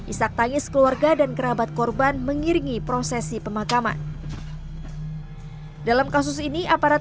isak tangis keluarga dan kerabat korban mengiringi prosesi pemakaman dalam kasus ini aparat